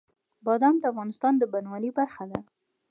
بادام د افغانستان د بڼوالۍ برخه ده.